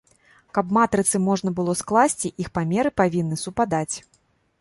Каб матрыцы можна было скласці, іх памеры павінны супадаць.